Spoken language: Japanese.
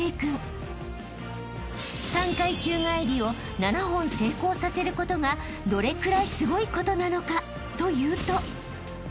［３回宙返りを７本成功させることがどれくらいすごいことなのかというと］